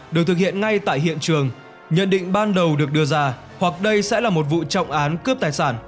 được thực hiện ngay tại hiện trường nhận định ban đầu được đưa ra hoặc đây sẽ là một vụ trọng án cướp tài sản